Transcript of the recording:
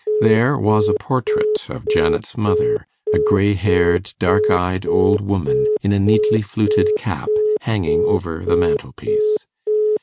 There was a portrait of Janet's mother, a grey haired, dark eyed old woman, in a neatly fluted cap, hanging over the mantelpiece.